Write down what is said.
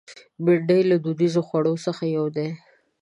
بېنډۍ له دودیزو خوړو یو دی